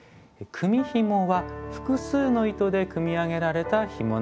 組みひもは複数の糸で組み上げられたひものこと。